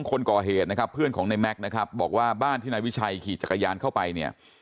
คนก่อเหตุนะครับเพื่อนของในแม็กซ์นะครับบอกว่าบ้านที่นายวิชัยขี่จักรยานเข้าไปเนี่ย